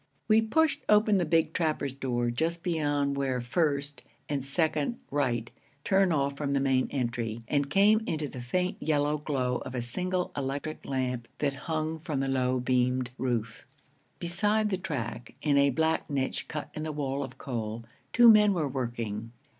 We pushed open the big trappers' door just beyond where First and Second Right turn off from the main entry, and came into the faint yellow glow of a single electric lamp that hung from the low beamed roof. Beside the track, in a black niche cut in the wall of coal, two men were working.